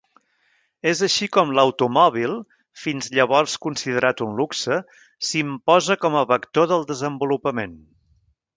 És així com l'automòbil, fins llavors considerat un luxe, s'imposa com a vector del desenvolupament.